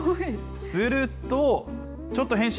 すると、ちょっと変身。